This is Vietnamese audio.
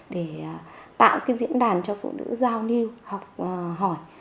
để tạo cái diễn đàn cho phụ nữ giao lưu học hỏi